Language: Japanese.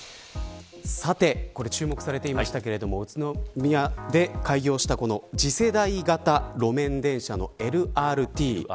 注目されていましたが、宇都宮で開業した、次世代型路面電車のＬＲＴ。